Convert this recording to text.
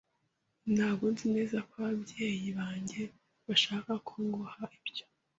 Ntabwo nzi neza ko ababyeyi banjye bashaka ko nguha ibyo.